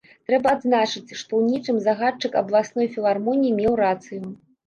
Трэба адзначыць, што ў нечым загадчык абласной філармоніі меў рацыю.